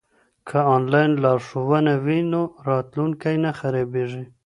که انلاین لارښوونه وي نو راتلونکی نه خرابیږي.